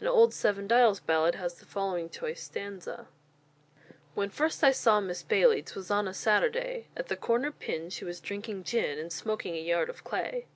An old Seven Dials ballad has the following choice stanza _When first I saw Miss Bailey, 'Twas on a Saturday, At the Corner Pin she was drinking gin, And smoking a yard of clay.